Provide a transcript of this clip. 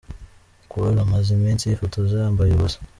Khloe amaze iminsi yifotoza yambaye ubusa.